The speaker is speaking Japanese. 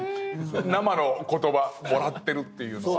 生の言葉もらってるっていうのは。